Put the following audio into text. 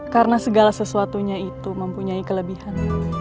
karena segala sesuatunya itu mempunyai kelebihan